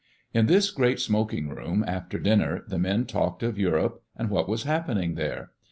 In this great smoking room, after dinner, the men talked of Europe, and what was happening there.